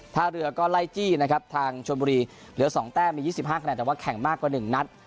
ท่าเรือก็ไล่จี้นะครับทางชนบุรีเหลือ๒แต้มมี๒๕คะแนนแต่ว่าแข่งมากกว่า๑นัด